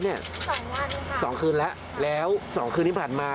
สองวันค่ะสองคืนแล้วแล้วสองคืนนี้ผ่านมา